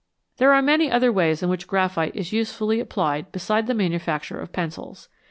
There are many other ways in which graphite is use fully applied besides the manufacture of pencils.